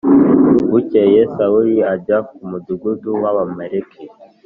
Bukeye Sawuli ajya ku mudugudu w Abamaleki